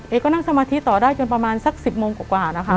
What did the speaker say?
นั่งสมาธิต่อได้จนประมาณสัก๑๐โมงกว่านะคะ